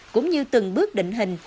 cũng như từng bước định hình